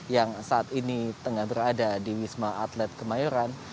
yang saat ini tengah berada di wisma atlet kemayoran